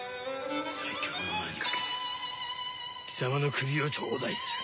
最強の名に懸けて貴様の首を頂戴する！